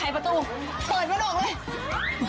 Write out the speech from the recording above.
ประตูเปิดมันออกเลย